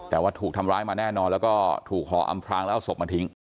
แต่ว่าถูกทำร้ายมาแน่นอนแล้วก็ถูกห่ออำพรางแล้วเอาศพมาทิ้ง